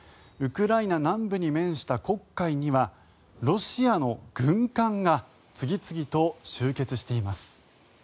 ウクライナ南部に面した黒海にはロシアの軍艦が次々と集結しています。